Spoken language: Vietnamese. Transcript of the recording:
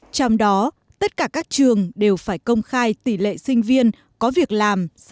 trong đó tất cả các trường đều phải công khai tỷ lệ sinh viên có việc làm